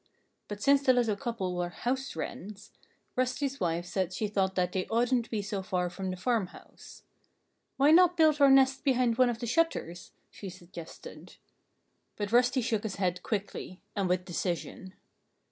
But since the little couple were house wrens, Rusty's wife said she thought that they oughtn't to be so far from the farmhouse. "Why not build our nest behind one of the shutters?" she suggested. But Rusty shook his head quickly and with decision.